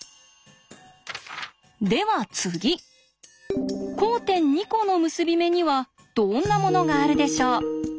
では次交点２コの結び目にはどんなものがあるでしょう？